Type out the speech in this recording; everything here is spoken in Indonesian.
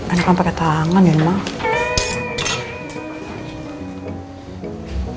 anak kamu pakai tangan ya maaf